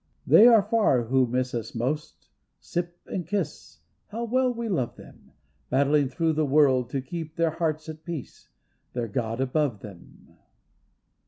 They are far who miss us most — Sip and kiss — how well we love them. Battling through the world to keep Their hearts at peace, their God above them.